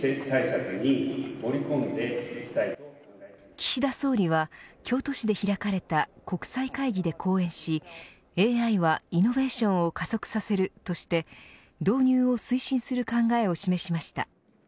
岸田総理は京都市で開かれた国際会議で講演しＡＩはイノベーションを加速させるとして導入を推進する考えを示しました。